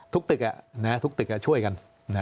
ทุกตึกทุกตึกช่วยกัน